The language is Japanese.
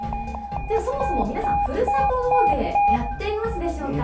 ではそもそも皆さん、ふるさと納税やっていますでしょうか。